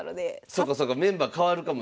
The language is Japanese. そっかそっかメンバー替わるかも。